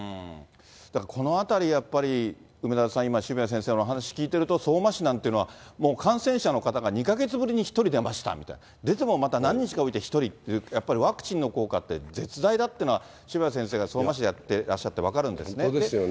だからこのあたり、やっぱり梅沢さん、今、渋谷先生のお話聞いてると、相馬市なんていうのは、もう感染者の方が２か月ぶりに１人出ましたみたいな、出てもまた何日か置いて１人って、やっぱりワクチンの効果って絶大だっていうのは、渋谷先生が相馬市でやってらっしゃって分かるん本当ですよね。